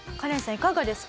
いかがですか？